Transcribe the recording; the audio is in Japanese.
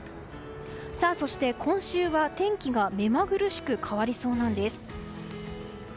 そして、今週は天気が目まぐるしく変わりそうなんです。